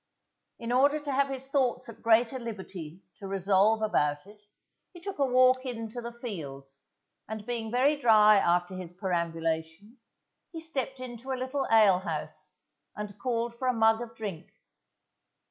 In order to have his thoughts at greater liberty to resolve about it, he took a walk into the fields, and being very dry after his perambulation, he stepped into a little alehouse, and called for a mug of drink.